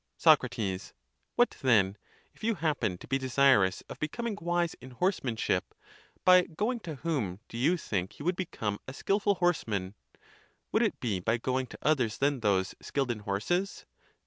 Soc. What then, if you happened to be desirous of becom ing wise in horsemanship, by going to whom do you think you would become a skilful horseman ? would it be (by going) to others than those skilled in horses?